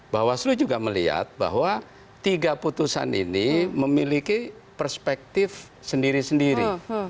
bawaslu juga melihat bahwa tiga putusan ini memiliki perspektif sendiri sendiri